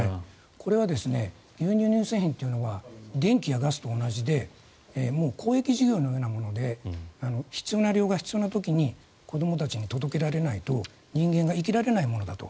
牛乳、乳製品というのは電気やガスと同じで公益事業のようなもので必要な量が必要な時に子どもたちに届けられないと人間が生きられないものだと。